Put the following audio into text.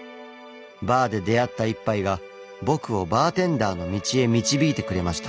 バーで出会った一杯が僕をバーテンダーの道へ導いてくれました。